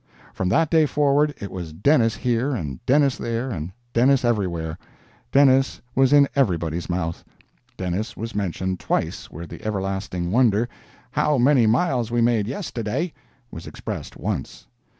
From that day forward it was Dennis here, and Dennis there, and Dennis everywhere. Dennis was in everybody's mouth; Dennis was mentioned twice where the everlasting wonder, "how many miles we made yestaday," was expressed once.